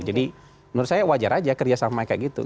jadi menurut saya wajar aja kerjasama kayak gitu